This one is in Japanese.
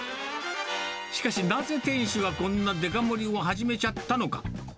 しかし、なぜ店主はこんなデカ盛りを始めちゃったのか。